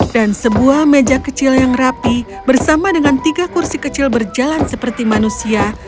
dan sebuah meja kecil yang rapi bersama dengan tiga kursi kecil berjalan seperti manusia